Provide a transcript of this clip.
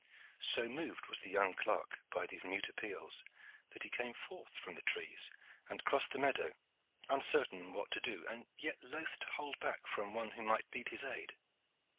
So moved was the young clerk by these mute appeals, that he came forth from the trees and crossed the meadow, uncertain what to do, and yet loth to hold back from one who might need his aid.